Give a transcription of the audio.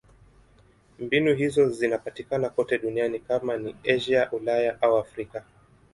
Mbinu hizo zinapatikana kote duniani: kama ni Asia, Ulaya au Afrika.